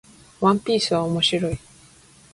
ワンピースは面白い